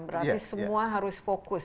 berarti semua harus fokus